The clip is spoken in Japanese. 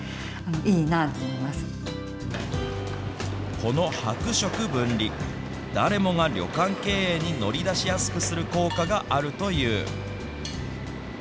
この泊食分離、誰もが旅館経営に乗り出しやすくする効果があるという。